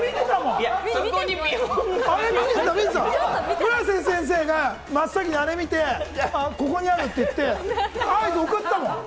村瀬先生が真っ先にあれ見て、ここにあるって言って。